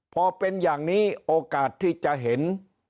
พอเป็นอย่างนี้โอกาสที่จะเห็น